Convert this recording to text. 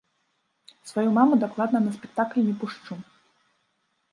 Сваю маму дакладна на спектакль не пушчу!